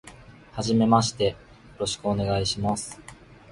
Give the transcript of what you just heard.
はじめまして、よろしくお願いします。